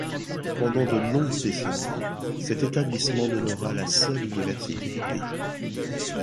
Pendant de longues décennies, cet établissement demeura la seule université du pays.